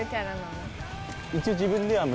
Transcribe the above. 一応自分では。